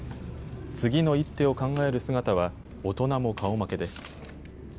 次の一手を考える姿は大人も顔負けです。